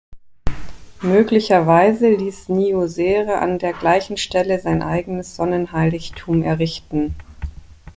Möglicherweise ließ Niuserre an der gleichen Stelle sein eigenes Sonnenheiligtum errichten.